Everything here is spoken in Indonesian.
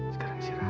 sekarang istirahat ya